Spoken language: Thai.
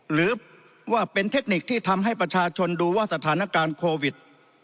หรือว่าเป็นเทคนิคที่ทำให้ประชาชนดูว่าสถานการณ์โควิด